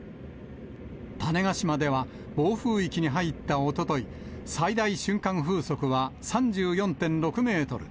種子島では暴風域に入ったおととい、最大瞬間風速は３４．６メートル。